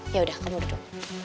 ya udah kamu duduk